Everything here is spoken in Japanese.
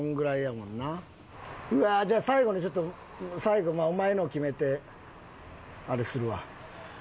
うわあじゃあ最後にちょっと最後お前の決めてあれするわ。